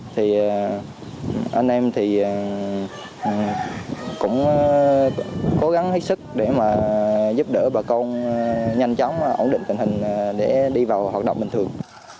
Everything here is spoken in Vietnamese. thì anh em thì cũng cố gắng hết sức để mà giúp đỡ bà con nhanh chóng ổn định tình hình để đi vào hoạt động bình thường